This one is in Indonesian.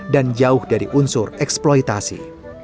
dan jauh dari unsur eksploitasi